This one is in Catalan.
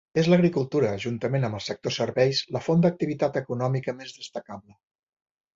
És l'agricultura, juntament amb el sector serveis, la font d'activitat econòmica més destacable.